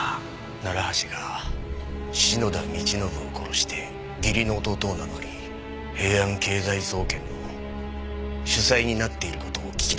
楢橋が篠田道信を殺して義理の弟を名乗り平安経済総研の主宰になっている事を聞き出した。